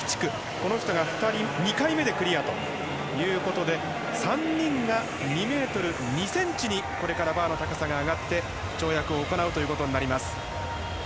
この２人が２回目でクリアということで３人が、２ｍ２ｃｍにこれからバーの高さが上がって跳躍を行うことになります。